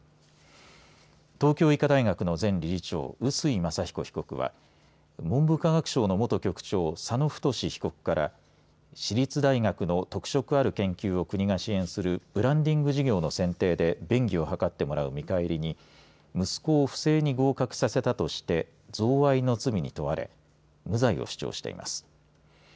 東京医科大学の前理事長臼井正彦被告は文部科学省の元局長佐野太被告から私立大学の特色ある研究を国が支援するブランディング事業の選定で便宜を図ってもらう見返りに不正に合格させたとして贈賄の罪に問われ無罪を主張しています。